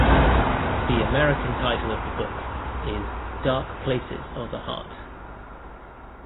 The American title of the book is "Dark Places of the Heart".